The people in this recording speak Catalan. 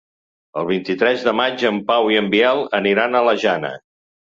El vint-i-tres de maig en Pau i en Biel aniran a la Jana.